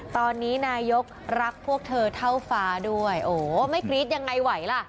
ตอนนี้นายกรักพวกเธอเท่าฟ้าด้วยโอ้ไม่กรี๊ดยังไงไหวล่ะ